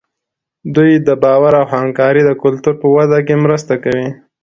دوی د باور او همکارۍ د کلتور په وده کې مرسته کوي.